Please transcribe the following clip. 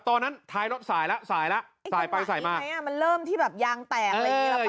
ตอนนั้นท้ายรถสายละสายไปสายมามันเริ่มที่แบบยางแตกอะไรอย่างนี้ล่ะป้า